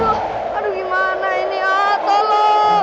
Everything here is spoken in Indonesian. gimana ini atau lo